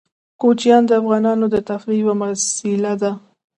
کوچیان د افغانانو د تفریح یوه وسیله ده.